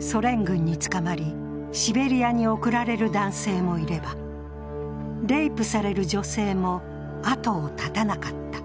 ソ連軍に捕まり、シベリアに送られる男性もいれば、レイプされる女性も後を絶たなかった。